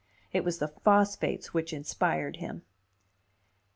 It was the phosphates which inspired him.